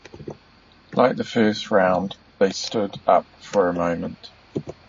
Like the first round, they stood up for a moment.